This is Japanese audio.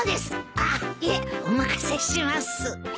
あっいえお任せします。